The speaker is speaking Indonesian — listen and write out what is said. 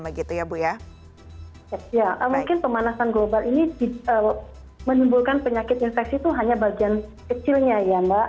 ya mungkin pemanasan global ini menimbulkan penyakit infeksi itu hanya bagian kecilnya ya mbak